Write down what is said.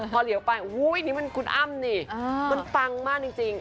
พอเหลียวไปอุ้ยนี่มันคุณอ้ำนี่มันปังมากจริง